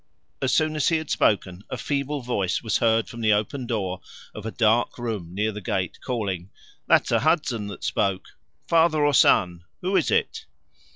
As soon as he had spoken, a feeble voice was heard from the open door of a dark room near the gate, calling, "That's a Hudson that spoke! Father or son who is it?"